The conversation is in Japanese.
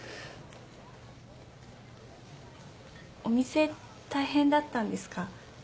お店大変だったんですか？